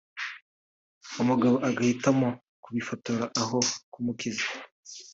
umugabo agahitamo kubifotora aho kumukiza